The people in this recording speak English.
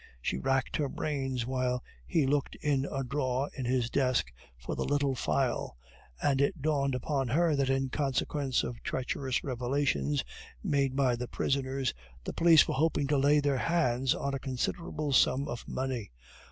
She racked her brains while he looked in a drawer in his desk for the little phial, and it dawned upon her that in consequence of treacherous revelations made by the prisoners the police were hoping to lay their hands on a considerable sum of money.